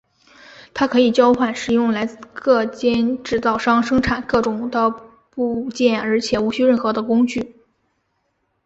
它可以交换使用来自各间制造商生产各种的部件而且无需任何的工具。